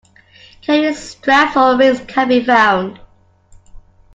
Carrying straps or rings can be found.